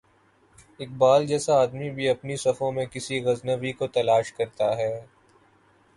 اقبال جیسا آدمی بھی اپنی صفوں میں کسی غزنوی کو تلاش کرتا ہے۔